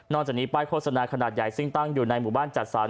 จากนี้ป้ายโฆษณาขนาดใหญ่ซึ่งตั้งอยู่ในหมู่บ้านจัดสรร